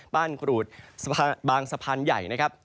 กรูดบางสะพานใหญ่นะครับ